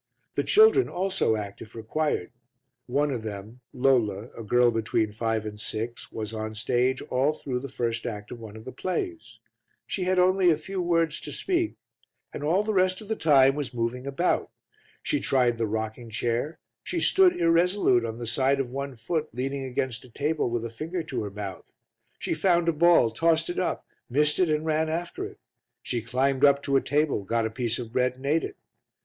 The children also act if required; one of them, Lola, a girl between five and six, was on the stage all through the first act of one of the plays; she had only a few words to speak, and all the rest of the time was moving about; she tried the rocking chair, she stood irresolute on the side of one foot leaning against a table with a finger to her mouth, she found a ball, tossed it up, missed it and ran after it, she climbed up to a table, got a piece of bread and ate it.